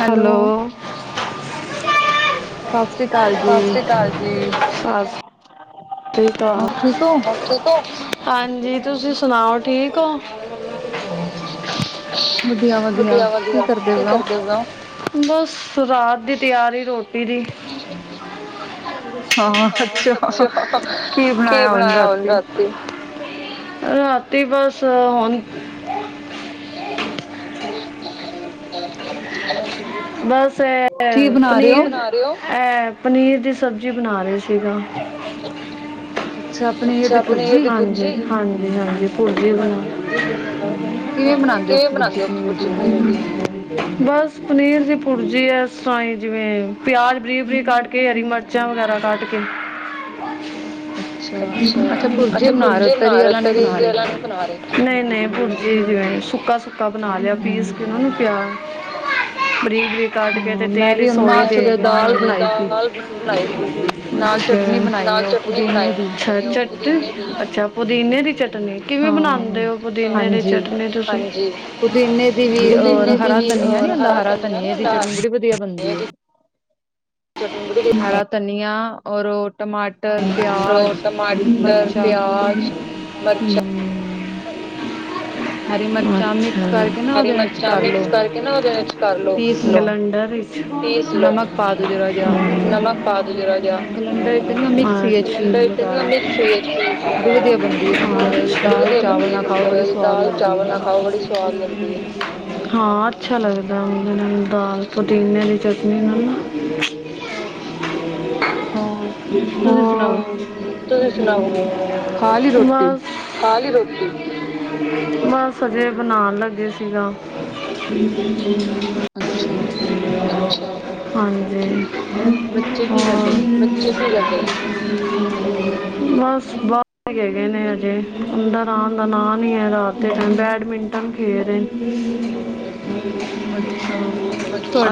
Hello ਸਤਿ ਸ਼੍ਰੀ ਅਕਾਲ ਜੀ ਠੀਕ ਆਂ ਠੀਕ ਹੋ ਹਾਂਜੀ ਤੁਸੀਂ ਸੁਣਾਓ ਠੀਕ ਹੋ [inaudible] ਵਧੀਆ- ਵਧੀਆ, ਕੀ ਕਰਦੇ ਪਏ ਹੋ ਬਸ, ਰਾਤ ਦੀ ਤਿਆਰੀ ਰੋਟੀ ਦੀ। ਹਾਂ-ਹਾਂ, ਅੱਛਾ। ਕੀ ਬਣਾਇਆ ਹੁਣ ਰਾਤ। ਰਾਤੀ ਬਸ ਹੁਣ। [inaudible] ਬਸ ਇਹ, ਪਨੀਰ ਇਹ ਪਨੀਰ ਦੀ ਸਬਜ਼ੀ ਬਣਾ ਰਹੇ ਸੀਗਾ। ਅੱਛਾ। ਅੱਛਾ ਪਨੀਰ ਦੀ ਭੁਰਜੀ ਹਾਂਜੀ, ਹਾਂਜੀ, ਹਾਂਜੀ ਭੁਰਜੀ ਬਣਾਈ ਕਿਵੇ ਬਣਾਉਦੇ ਹੋ ਭੁਰਜੀ ਬਸ ਪਨੀਰ ਦੀ ਭੁਰਜੀ ਹੈ ਇਸ ਤਰਾ ਹੀ ਜਿਵੇਂ, ਪਿਆਜ ਬਰੀਕ- ਬਰੀਕ ਕਟ ਕੇ ਹਰੀ ਮਰਚ ਮਿਰਚਾ ਵਗੈਰਾ ਕਟ ਕੇ ਅੱਛਾ, ਅੱਛਾ ਪੁਰਜੀ ਬਣਾ ਰਹੇ ਹੋ, ਤਰੀ ਵਾਲਾ ਨਹੀ ਬਣਾ ਰਹੇ ਨਹੀ- ਨਹੀ ਭੁਰਜੀੇ ਜਿਵੇਂ, ਸੁੱਕਾ- ਸੁੱਕਾ ਬਣਾ ਲਿਆ ਪੀਸ ਕੇ ਉਹ ਨੂੰ ਪਿਆਜ ਬਰੀਕ- ਬਰੀਕ ਕੱਟ ਕੇ ਤੇ ਤੇਲ ਹੀ ਸੋਕ ਕੇ, ਅੱਛਾ ਨਾਲ ਚਟਨੀ ਬਣਾਈ, ਅੱਛਾ ਪੁਦੀਨੇ ਦੀ ਚਟਨੀ ਕਿਵੇਂ ਬਣਾਉਂਦੇ ਹੋ ਪੁਦੀਨੇ ਦੀ ਚਟਨੀ ਤੁਸੀ, ਹਾਂਜੀ ਪੁਦੀਨੇ ਧਨੀਆ ਨੀ ਹੁੰਦਾ [unintelligible] ਧਨੀਆ ਔਰ ਟਮਾਟਰ ਹੋਰ ਟਮਾਟਰ, ਪਿਆਜ਼, ਮਿਰਚਾਂ ਹਰੀ ਮਿਰਚਾਂ ਮਿਕਸ ਕਰਕੇ ਨਾ ਉਹਦੇ ਵਿੱਚ ਕਰਲੋ। ਪੀਸ ਲਓ, ਨਮਕ ਪਾ ਦੋ ਜ਼ਰਾ ਜਾਂ। ਹਾਂ। [unintelligible] ਦੀ ਮਿਕਸਰ ਵਿੱਚ ਦਾਲ ਚਾਵਲ ਨਾਲ ਖਾਓ, ਬੜੀ ਸਵਾਦ ਲੱਗਦੀ ਹੈ। ਚਾਵਲ ਨਾਲ ਖਾਉ ਬੜੀ ਸਵਾਦ ਲੱਗਦੀ ਹੈ। ਹਾਂ ਅੱਛਾ ਲੱਗਦਾ ਮੈਨੂੰ ਵੀ ਦਾਲ ਪੁਦੀਨਾ ਦੀ। ਚਟਨੀ ਹੋਰ। ਤੁਸੀਂ ਸੁਣਾਓ, ਖਾ ਲਈ ਰੋਟੀ। ਬਸ ਅਜੇ ਬਣਾਉਣ ਲੱਗੇ ਸੀਗਾ। ਅੱਛਾ। ਹਾਂਜੀ, ਹੋਰ। ਕੀ ਕਰਦੇ ਬਸ ਬਾਹਰ ਗਏ ਨੇ ਹਜੇ, ਅੰਦਰ ਆਉਣ ਦਾ ਨਾਂ ਨਹੀਂ ਹੈ। ਖੇਡਣ ਬੈਡਮਿੰਟਨ ਖੇਡਦੇ ਨੇ।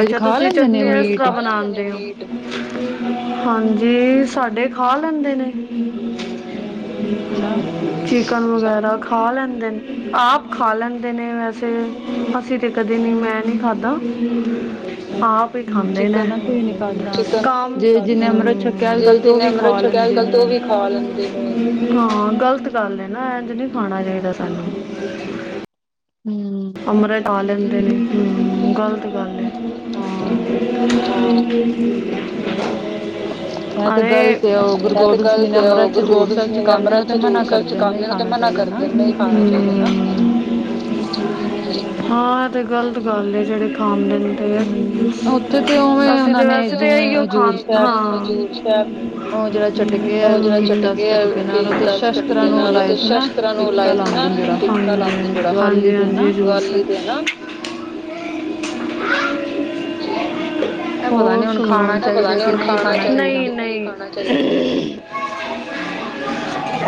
ਅੱਛਾ, ਤੁਸੀਂ ਚਟਨੀ ਇਸ ਤਰ੍ਹਾਂ ਬਣਾਉਦੇ ਹੋ। ਹਾਂਜੀ, ਸਾਡੇ ਖਾ ਲੈਂਦੇ ਨੇ। ਚਿਕਨ ਵਗੈਰਾ ਖਾ ਲੈਂਦੇ ਨੇ। ਆਪ ਖਾ ਲੈਂਦੇ ਨੇ ਵੈਸੇ, ਅਸੀਂ। ਤੇ ਕਦੇ ਨਹੀਂ ਮੈਂ ਨਹੀਂ ਖਾਧਾ, ਆਪ। ਆਪ ਹੀ ਖਾਂਦੇ ਨੇ, ਜਿੰਨੇ ਅੰਮ੍ਰਿਤ ਛਕਿਆ ਹੁੰਦਾ ਤੇ ਉਹ ਵੀ। ਖਾ ਲੈਂਦੇ। ਹਾਂ ਗਲਤ ਗੱਲ ਹੈ ਨਾ, ਇੰਝ ਨੀ ਖਾਣਾ ਚਾਹੀਦਾ ਸਾਨੂੰ। ਹੂੰ। ਅੰਮ੍ਰਿਤ ਨਾ ਲੈਂਦੇ ਨੇ, ਗਲਤ ਗੱਲ ਹੈ। [inaudible] [inaudible] ਇਹ ਤੇ ਗਲਤ ਹੈ ਗੁਰੂ ਗੋਬਿੰਦ ਸਿੰਘ ਜੀ ਨੇ ਅੰਮ੍ਰਿਤਸਰ, ਹਜ਼ੂਰ ਸਾਹਿਬ। ਛਕਾਂਦੇ ਨੇ ਤੇ ਉਹਨਾਂ ਨਾ ਕਰ ਦਿੰਦੇ ਆ ਹਾਂਜੀ ਹਟਾ। ਹਾਂ ਇਹ ਤੇ ਗ਼ਲਤ ਗੱਲ ਹੈ, ਜਿਹੜੇ ਖਾਂਦੇ ਨੇ। ਅਸੀਂ ਤੇ ਵੈਸੇ ਤਾਂ ਇਹੀ ਉਹ ਖਾ ਹਾਂ ਉਹ ਜਿਹੜਾ ਚਟਕੇ ਕੀ ਦਾ ਚਟਕੇ ਨਾਲ [unintelligible] ਹਾਂਜੀ ਹਾਂਜੀ [unintelligible] ਹੋਰ ਸੁਣਾ ਪਤਾ ਨੀ ਹੁਣ ਖਾਣਾ [unintelligible]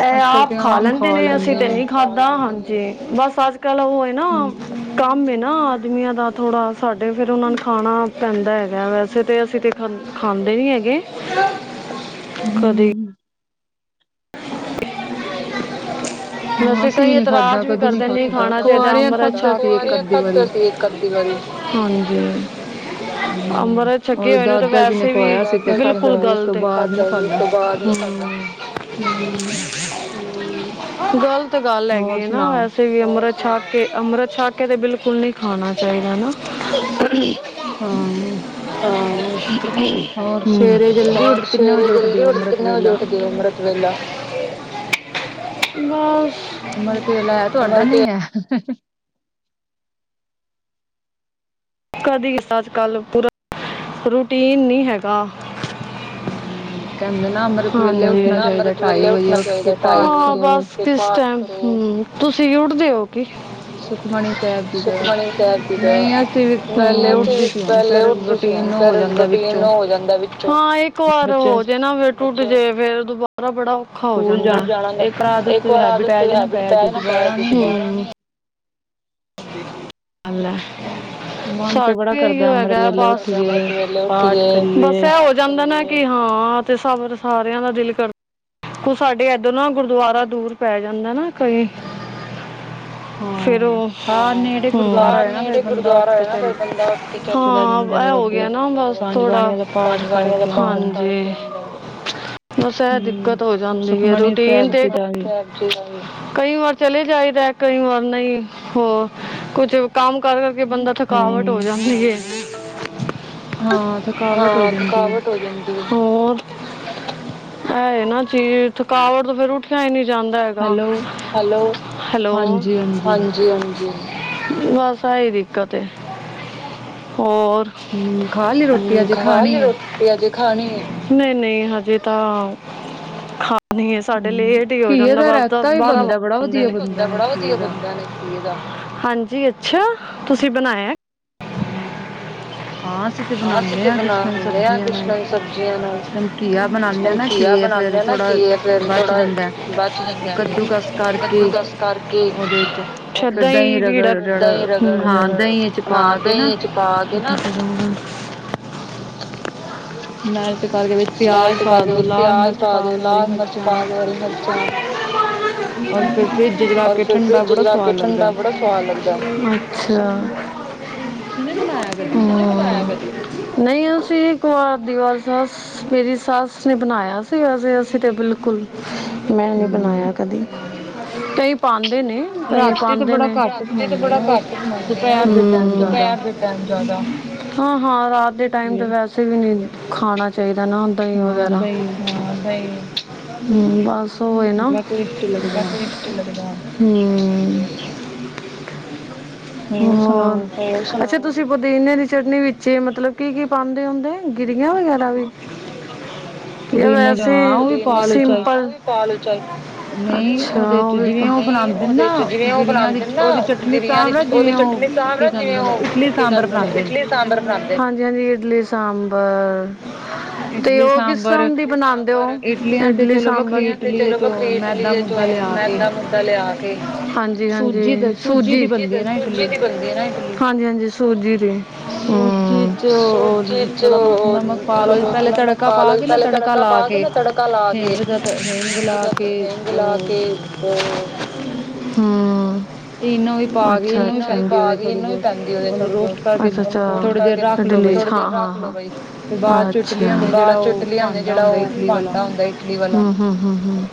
ਇਹ ਆਪ ਖਾ ਲੈਂਦੇ ਨੇ ਅਸੀਂ ਤੇ ਨਹੀਂ ਖਾਧਾ ਹਾਂਜੀ ਬਸ ਅੱਜ ਕੱਲ ਉਹ ਹਮ। ਕੰਮ ਇਹ ਨਾ ਆਦਮੀਆਂ ਦਾ ਥੋੜਾ ਸਾਡੇ ਫੇਰ ਉਹਨਾਂ ਨੂੰ ਖਾਣਾ ਪੈਂਦਾ ਹੈਗਾ ਵੈਸੇ। ਫੇਰ ਤੇ ਅਸੀਂ ਤੇ ਖਾਂਦੇ ਨੀ ਹੈਗੇ ਕਦੇ। ਵੈਸੇ ਕਈ ਇਤਰਾਜ ਵੀ ਕਰਦੇ ਨਹੀ ਖਾਣਾ ਚਾਹੀਦਾ ਅੰਮ੍ਰਿਤ ਛਕ ਕੇ। ਹਾਂਜੀ। ਹੂੰ। ਅੰਮ੍ਰਿਤ ਛਕੇ ਹੋਏ ਨੇ ਤੇ ਵੈਸੇ ਵੀ ਬਿਲਕੁਲ ਗਲਤ ਹੈਗਾ। ਹੂੰ। ਹੂੰ। ਗ਼ਲਤ ਗੱਲ ਹੈਗੀ ਹੈ ਨਾ ਵੈਸੇ ਵੀ ਅੰਮ੍ਰਿਤ। ਛਕ ਕੇ ਅੰਮ੍ਰਿਤ ਛਕ ਕੇ ਤੇ ਬਿਲਕੁਲ ਨਹੀਂ ਖਾਣਾ ਚਾਹੀਦਾ ਹਨਾ। ਹਾਂ। ਹਾਂ ਸਵੇਰੇ ਜਲਦੀ ਕਿੰਨੇ ਵਜੇ ਉੱਠਦੇ ਹੋ ਫੇਰ। ਵਿਹਲਾ। ਮੈਂ ਬਸ। ਅੰਮ੍ਰਿਤ ਵੇਲਾ ਹੈ। ਤੁਹਾਡਾ ਨਹੀਂ ਹੈ। ਕਦੀ ਅੱਜ ਕੱਲ ਪੂਰਾ ਰੂਟੀਨ ਨਹੀਂ ਹੈਗਾ। ਹਮ ਕਹਿੰਦੇ ਨਾ ਹਾਂ ਅੰਮ੍ਰਿਤ ਵੇਲੇ ਉੱਠਣਾ ਚਾਹੀਦਾ ਟੈਮ ਸਰ ਕਿਸ ਟੈਮ ਹਮ ਤੁਸੀਂ ਉੱਠਦੇ ਹੋ ਕੀ? [unintelligible] ਰੂਟੀਨ ਹੋ ਜਾਂਦਾ ਵਿਚੋ ਹਾਂ ਇੱਕ ਵਾਰ ਹੋ ਜੇ ਨਾ ਟੁੱਟ ਜੇ ਫੇਰ ਦੁਬਾਰਾ ਬੜਾ ਔਖਾ ਹੋ ਜਾਂਦਾ ਜਾਣਾ ਦਾ ਇੱਕ ਵਾਰ [unintelligible] ਹੈਬਿਟ ਪੈ ਜੇ ਨਾ [unintelligible] ਸਾਡੇ ਵੀ ਇਹੀਓ ਹੈਗਾ ਬਸ ਅਮ੍ਰਿੰਤ ਵੇਲੇ ਉਠੀਏ ਬਸ ਇਹ ਜਾਂਦਾ ਨਾ ਕਿ ਹਾਂ ਤੇ ਸਭ ਸਾਰਿਆਂ ਦਾ ਦਿਲ ਕਰਦਾ ਉਹ ਸਾਡੇ ਏਦਰ ਨਾ ਗੁਰਦੁਆਰਾ ਦੂਰ ਪੈ ਜਾਂਦਾ ਨਾ ਕਈ ਹਾਂ। ਨੇੜੇ ਗੁਰਦੁਆਰਾ ਹੋਇ ਨਾ ਫੇਰ ਬੰਦਾ ਹਾਂ ਇਹ ਹੋ ਗਿਆ ਨਾ ਬਸ ਥੋੜਾ [unintelligible] ਹਾਂਜੀ। ਬਸ ਇਹ ਦਿੱਕਤ ਹੋ ਜਾਂਦੀ ਹੈ ਰੂਟੀਨ ਤੇ ਕਈ ਵਾਰ ਚਲੇ ਜਾਈਦਾ ਕਈ ਵਾਰ ਨਹੀਂ ਹੋਰ ਕੁਝ ਕੰਮ ਕਰ ਕਰਕੇ ਬੰਦਾ ਥਕਾਵਟ ਹੋ ਜਾਂਦੀ ਹੇ। ਹਾਂ ਥਕਾਵਟ ਹੋ ਜਾਂਦੀ ਹੋਰ ਇਹ ਹੈ ਨਾ ਚੀਜ਼ ਥਕਾਵਟ ਤੇ ਫੇਰ ਨਹੀਂ ਜਾਂਦਾ ਹੈਗਾ ਹੈਲੋ ਹੈਲੋ ਹਾਂਜੀ। ਬਸ ਆਹੀ ਦਿੱਕਤ ਏ ਹੋਰ? ਹਮ ਖਾ ਲਈ ਰੋਟੀ ਹਜੇ ਖਾਣੀ ਏ? ਯਾ ਹਜੇ ਖਾਣੀ ਹੈ ਨਹੀਂ ਨਹੀਂ ਹਜੇ ਤਾਂ ਹਾਂਜੀ ਖਾਣੀ ਸਾਡੇ ਲੇਟ ਹੇਟ ਹੀ ਹੋ ਜਾਂਦਾ ਬਸ ਦਸ ਬਾਰਾਂ ਵਜ ਜਾਂਦੇ ਨੇ ਬੜਾ ਵਧੀਆ ਬੰਦਾ ਹਾਂਜੀ ਅੱਛਾ ਤੁਸੀਂ ਬਣਾਇਆ? ਹਾਂ ਹਾਂ ਹਾਂ ਅਸੀਂ ਤੇ ਬਣਾ ਦਦੇ ਹਾਂ ਕਿਸ ਦਿ ਸਬਜ਼ੀਆਂ ਨੂੰ ਕਿਸ ਦਿਨ ਘੀਆ ਬਣਾਦੇ ਹਾਂ ਨਾ ਘੀਏ ਫੇਰ ਥੋੜ੍ਹਾ ਬਚ ਜਾਂਦਾ ਕੱਦੂਕਸ ਕਰਕੇ ਛੱਦਾ ਈ ਰੀੜਾ, ਦਹੀਂ ਰਗੜ-ਰਗੜ ਹਾਂ, ਦਹੀਂ ਚ ਪਾ ਇਹਨਾਂ? ਮੈਲ, ਟ ਕਰਕੇ ਵਿੱਚ ਲਲਚ ਪਾ ਦਿਓ, ਪਿਆਜ਼ ਪਾ ਦਿਓ, ਲਾਲ ਮਿਰਚ ਪਾ ਦਿਓ, ਹਰੀ ਮਿਰਚਾਂ। ਔਰ ਫਿਰ ਫਰਿੱਜ ਵਿੱਚ ਰੱਖ ਕੇ ਠੰਡਾ ਬੜਾ ਸਵਾਦ ਲੱਗਦਾ ਅੱਛਾ। ਤੁਸੀਂ ਨੀ ਬਨਾਇਆ ਕਦੀ ਨਹੀਂ ਅਸੀਂ ਇੱਕ ਵਾਰ ਦੀ [unintelligible] ਮੇਰੀ ਸੱਸ ਨੇ ਬਣਾਇਆ ਸੀ ਵੈਸੇ ਅਸੀਂ ਤੇ ਬਿਲਕੁਲ ਮੈਂ ਨਹੀਂ ਬਣਾਇਆ ਕਦੀ ਕਈ ਪਾਂ ਦੇ ਨੇ ਕਈ ਪਾਂਦੇ ਨੇ ਰਾਤੀ ਤੇ ਬੜਾ ਘਟ ਹੀ ਬਣਾਨੇ ਆ ਬਸ ਦੁਪਹਿਰ ਦੇ ਟਾਇਮ ਜਾਦਾ। ਹਾਂ ਹਾਂ ਰਾਤ ਦੇ ਟਾਈਮ ਤਾਂ ਵੈਸੇ ਵੀ ਨਹੀਂ ਖਾਣਾ ਚਾਹੀਦਾ ਨਾ। ਦਹੀਂ ਵਗੈਰਾ [unintelligible] ਬਸ। ਹੋਏ ਨਾ ਹਮ [unintelligible] ਹੋਰ ਅੱਛਾ ਤੁਸੀਂ ਪੁਦੀਨੇ ਦੀ ਚਟਨੀ ਵਿੱਚ ਮਤਲਬ ਕੀ ਕੀ ਪਾਂ, ਦੇ ਹੁੰਦੇ ਗਿਰੀਆਂ ਵਗੈਰਾ ਵੀ? ਜਾਂ ਵੈਸੇ ਸਿੰਪਲ ਅਛਾ ਓਵੇਂ ਤਾਂ ਜਿਵੇਂ ਉਹ ਬਣਾਂਦੇ ਨਾ ਗਿਰੀਆ ਚ ਉਹਦੀ ਚਟਨੀ ਸਾ ਜਿਵੇ ਉਹ ਕੀ ਕਹਿੰਦੇ ਨੇ ਇਡਲੀ ਸਾਂਬਰ ਬਣਾਦੇਂ ਹਾਂਜੀ ਹਾਂਜੀ ਇਡਲੀ ਸਾਂਬਰ। ਇਟਲੀ ਸਾਂਬਰ ਇਟਲੀਆਂ ਤੇ ਚਲੋ ਵੱਖਰੀ ਇਟਲੀ ਹੈ ਚੋਂ ਮੈਦਾ ਮੁ ਮੂੱਦਾ ਲਿਆ ਕੇ ਮੁਦਾ ਲਿਆ ਕੇ ਹਾਂਜੀ ਜੀ ਹਾਂਜੀ, ਸੂਜੀ ਜੀ ਦੱਸੋ ਜੀ ਦੀ ਬਣਦੀ ਹੈ ਹਾਂਜੀ-ਹਾਂਜੀ, ਸੂਜੀ ਦੀ। ਹੁੰ, ਸੂਜੀ 'ਚ ਉਹ ਥੋੜਾ ਬਹੁਤ ਨਮਕ ਪਾ ਲਓ, ਪਹਿਲੇ ਤੜਕਾ ਪਾ ਕੇ ਨਾ ਤੜਕਾਾਂ ਲਾ ਕੇ ਹਿੰਗੇ ਲਾ ਕੇ ਹਮ ਈਨੋੱ ਪਾ ਗਈ, ਈਨੋ ਵੀ ਪੈਂਦੀ ਉਹ ਥੋੜੀ ਬੋਤ ਅੱਛਾ ਅੱਛਾ ਇਡਲੀ ਹਾਂ ਹ ਅੱਛਾ ਬਾਦ ਚ ਜਿਹੜਾ ਉਹ ਭਾਂਡਾ ਹੁੰਦਾ ਇਟਲੀ ਵਾ ਹੂੰ, ਹੂੰ, ਹੂੰ,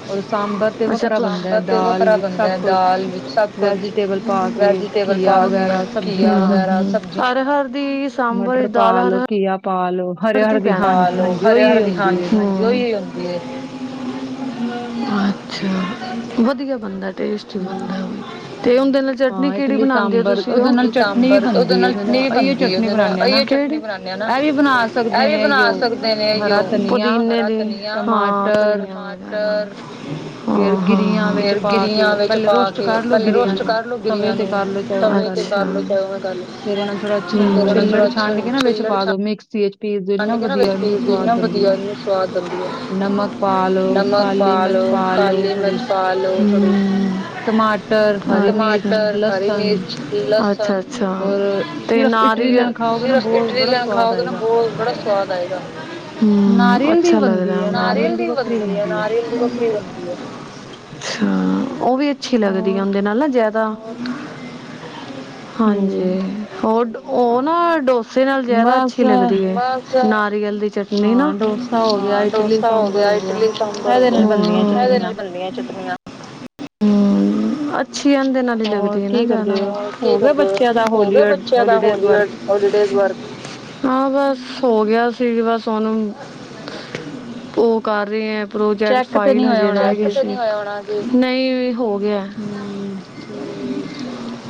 ਅੱਛਾ ਤੂ, ਸਾੰਬਰ ਤੇ ਵੱਖਰਾ ਬਨਦੈ, ਦਾਲ ਵਿੱਚ ਸਬ ਕੁਛ ਵੈਜੀਟੇਬਲ ਪਾ ਕੇ ਘੀਆ ਵਗੈਰਾ ਹਰ ਹਰ ਦੀ ਸਾਂਬਰ ਦਾਲ ਹਰ ਹਰ ਪਾ ਲੋ। ਦੀ ਪ ਲੋ ਹਰੇ ਹਰਦੀ ਹਾਂਜੀ ਔਈਓ ਈ ਹੋਂਦੀ ਏ, ਅੱਛਾ, ਵਦੀਆ ਬਨਦੈ। ਟੇਸਟੀ ਬਣਦਾ ਉਹ ਤੇ ਉਹ ਵੀ ਤੇ ੳਦੇ ਨਾਲ ਚਟਨੀ ਕਿਹੜੀ ਬਣਾਉਂਦੇ ਹੋ ਤੁਸੀਂ ਉਹ? ਦੇ ਅਸੀ ਬਣਾਨਦੇ ਆ ਨਾ ਇਹ ਵੀ ਬਣਾ ਸਕਦੇ ਨੇ ਪੁਦੀ ਧਨੀ ਪਰ ਹ ਕੇ ਗਿ ਰੀਆਂ ਵਿੱਚ ਪਾ ਕੇ ਪਹਿਲੇ ਰੋਸਟ ਕਰ ਲੋ ਗਿਰੀਆਂ ਨੂੰ ਤਵੇ ਤੇ ਕਰਲੋ। ਵੇਂ ਕਰ ਲੋ ਫੇਰ ਉਹਨਾਂ ਨੂੰ ਥੋੜਾ ਛ ਛਿੱਲੜ ਛੰਡ ਕੇ ਨਾ ਵਿੱਚ ਪਾ ਦੋ ਮਿਕਸੀ ਵਿੱਚ ਪੀ ਦਿ ਇਨਾ ਵਧੀਆ ਇਨੀ ਸਵਾਦ ਬਣਦੀ ਹੈ ਨਮਕ ਪਾ ਲੋੋ ਕਾਲੀ ਮਿਰਚ ਪਾ ਕਾਲੀ ਮਿਰਚ ਪਾ ਲਓ। ਟਮਾਟਰ ਹਰੀ ਮਿਰਚ ਅੱਛਾ ਅੱਛਾ ਤੇ ਨਾਰੀਅਲ ਫਿਰ ਇਡਲੀ ਨਾਲ ਖਾਓਗੇ ਨਾ ਬੋਲ ਬੜਾ ਸੁਆਦ ਆਏਗਾ ਨ ਨਾਰੀਅ ਲ ਦੀ ਬਨਦੀ ਨਾਰੀਅਲ ਅੱਛਾ ਉਹ ਵੀ ਅੱਛੀ ਲੱਗਦੀ ਆ ਉਹਦੇ ਨਾਲ ਨਾ ਜ਼ਿਆਦਾ ਹਾਂਜੀ ਔਰ ਉਹ ਨਾ। ਓਦੇ ਨਾਲ ਜਿਆਦਾ ਅੱਛੀ ਲੱਗਦੀ ਹੈ, ਨਾਰੀਅਲ ਦੀ ਚਟਨੀ। ਮੇਰੇ ਨਾ ਹਾਂ ਡੋਸਾ ਹੋ ਗਿਆ ਇਡਲੀ ਸਾਂਬਰ ਹੋਗਿਆ। ਮਿਲਦੀਆਂ ਚਟਣੀਆਂ ਹਮ। ਅੱਛੀ ਐਂਦੇ ਨਾਲ ਹੀ ਲੱਗਦੀ ਹੈ ਨਾ ਜਾਦਾ, ਹੋਰ ਕੀ ਕਰਦੇ ਹੋ ਬੱਚਿਆਂ ਦਾ holidays. Holidays work, ਹਾਂ ਬਸ। ਹੋ ਗਿਆ ਸੀ ਬਸ, ਹੁਣ ਉਹ ਕਰ ਰਹੀ ਹੈ। ਪ੍ਰੋਜੈਕਟ ਫਾਈਲ ਹਜੇ ਰਹਿ ਗਏ ਸੀ, ਚੱਕ ਤੇ ਨਹੀਂ ਹੋਇਆ? ਨਹੀਂ ਹੋ ਗਿਆ। ਹਮ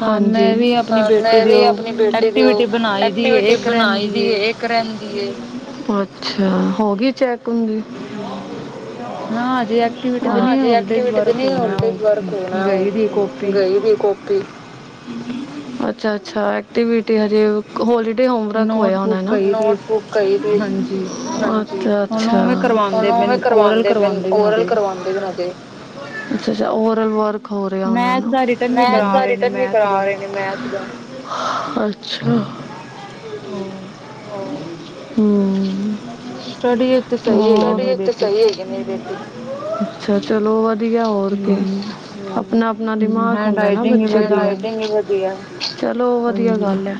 ਹਾਂ ਮੈਂ ਵੀ ਆਪਣੀ ਬੇਟੀ ਦੀ ਉਹ ਐਕਟੀਵਿਟੀ ਬਣਾਈ ਦੀ ਇਕ ਰੈਂ ਦੀ [unintelligible] ਅੱਛਾ ਹੋ ਗੀ ਚੈਕ ਹੁੰਦੀ ਹੂੰ। ਹਾਂ ਅਜੇ ਐਕਟੀਵਿਟੀ ਤਾਂ ਨਈ ਹੋਲਡੇ ਵਰਕ ਹੋਣਾ ਓ, ਗਈ ਦੀ ਕੋਪੀ। ਅੱਛਾ-ਅੱਛਾ ਐਕਟੀਵਟੀ ਹਜੇ ਹੋਲੀਡੇ ਹੋਮ ਵਰਕ ਹੋਆੁ ਹੋਨਾ ਹਨਾ? [unintelligible] ਅੱਛਾ ਹੁਣ ਉਵੇ ਕਰਵਾਦੇ ਪਏ ਓਰਲ ਕਰਵਾ [unintelligible] ਓਰਲ ਵਰਕ [unintelligible] ਅੱਛਾ। ਹੋਰ? [unintelligible] ਹੂੰ, ਵੀ ਤੇ ਸਈ ਹੈਗੀ ਨੀ [unintelligible] ਅੱਛਾ ਚਲੋ ਵਧੀਆ ਹੋਰ ਕਿ ਆਪਣਾ-ਆਪਣਾ ਦਿਮਾਗ ਹੁੰਦਾ ਨਾ ਬੱਚੇ ਦਾ [unintelligible] ਚਲੋ ਵਦੀਆ ਗੱਲ ਐ।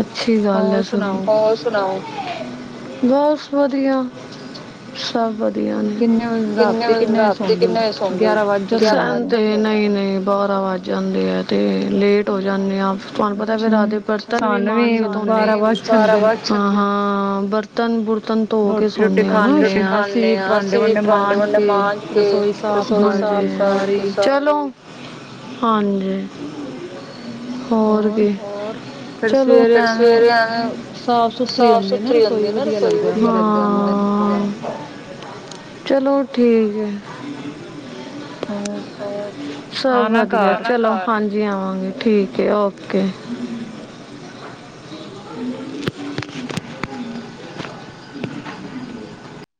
ਅੱਛੀ ਗੱਲ ਐ ਸਗੋ, ਹੋਰ ਸੁਣਾਓ? ਬਸ ਵਦੀਆ। ਸਭ ਵਧੀਆ ਨੇ, ਕਿੰਨੇ ਵਜੇ ਰਾਤੀ ਕਿੰਨੇ ਵਜੇ ਸੌਦੇ ਓ, ਸਾਨੋ ਤੇ ਨਈ-ਨਈ ਬਾਰਾ ਵੱਜ ਜਾਂਦੇ ਆ ਤੇ, ਲੇਟ ਹੋ ਜਾਂਦੇ ਆ ਤੁਹਾਨੂੰ ਪਤਾ ਫੇਰ ਰਾਤ ਦੇ ਬਰਤਨ ਵੀ ਮਾਜ [unintelligible] ਹਾਂ-ਹਾਂ ਬਰਤਨ ਬੁਰਤਨ ਧੋ ਕੇ [unintelligible] ਅਸੀ ਖਾਦੇ ਆਅਸੀਂ ਵੀ ਪਾਂਡੇ ਪੁੰਡੇ ਮਾਂਜ ਕੇ, ਰਸੋਈ ਸਾਫ ਸਾਫ ਕਰ ਕੇ ਚਲੋ ਹਾਂਜੀ, ਹੋਰ ਕੀ ਹੋਰ ਚਲੋ ਫੇਰ ਸਵੇਰੇ ਆਵੇਂ ਸਾਫ ਸੁਥਰੀ ਹੁੰਦੀ ਨਾ ਰਸੋਈ ਵਦੀਆ ਲਗਦੈ। ਚਲੋ ਠੀਕ ਐ। ਹੋਰ, ਸਭ ਵਧੀਆ ਚਲ ਹਾਂਜੀ ਆਵਾਂਗੀ ਠੀਕ ਏ ਓਕੇ। [inaudible] [unintelligible]